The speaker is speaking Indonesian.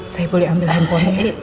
saya boleh ambil handphonenya